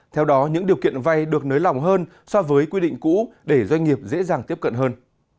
theo đó những điều kiện vay được nới lỏng hơn so với quy định cũ để doanh nghiệp dễ dàng tiếp cận hơn